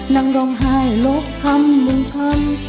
นั่งร้องหายลบคำบุญพันธ์